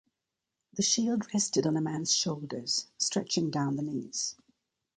The shield rested on a man's shoulders, stretching down the knees.